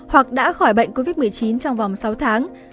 hoặc đã khỏi bệnh covid một mươi chín trong vòng sáu tháng